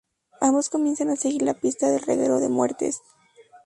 Ambos comienzan a seguir la pista del reguero de muertes.